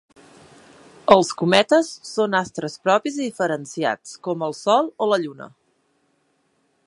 Els cometes són astres propis i diferenciats, com el sol o la lluna.